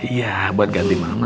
iya buat ganti mama